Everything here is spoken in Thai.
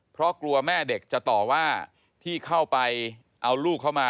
เพราะกลัวแม่เด็กจะต่อว่าที่เข้าไปเอาลูกเข้ามา